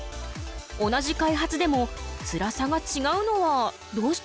同じ開発でもつらさがちがうのはどうして？